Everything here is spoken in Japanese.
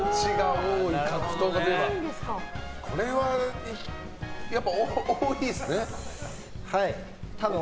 これはやっぱり多いんですね。